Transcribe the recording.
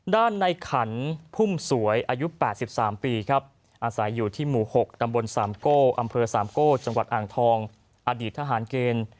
ด้านในขันพุ่มสวยอายุ๘๓ปีครับอาศัยอยู่ที่หมู่๖ตำบลสามโก้อำเภอสามโก้จังหวัดอ่างทองอดีตทหารเกณฑ์